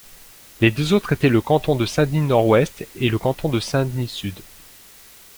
Les deux autres étaient le canton de Saint-Denis-Nord-Ouest et le canton de Saint-Denis-Sud.